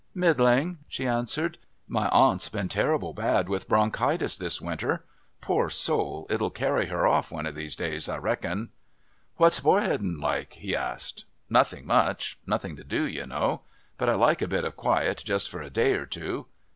"Middling," she answered. "My aunt's been terrible bad with bronchitis this winter. Poor soul, it'll carry her off one of these days, I reckon." "What's Borheddon like?" he asked. "Nothing much. Nothing to do, you know. But I like a bit of quiet just for a day or two.